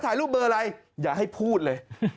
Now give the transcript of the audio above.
ถ่ายรูปเบอร์อะไรอย่าให้พูดเลย